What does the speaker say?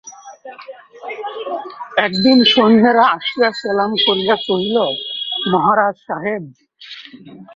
একদিন সৈন্যেরা আসিয়া সেলাম করিয়া কহিল, মহারাজ সাহেব!